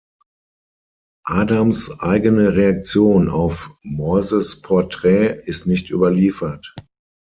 Adams’ eigene Reaktion auf Morses Porträt ist nicht überliefert.